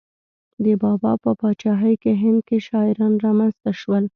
د بابا په پاچاهۍ کې هند کې شاعران را منځته شول.